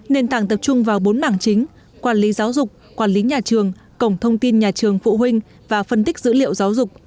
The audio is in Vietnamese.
nền tảng tập trung vào bốn mảng chính quản lý giáo dục quản lý nhà trường cổng thông tin nhà trường phụ huynh và phân tích dữ liệu giáo dục